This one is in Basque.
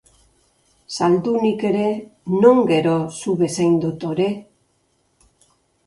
Zaldunik ere, non gero zu bezain dotore?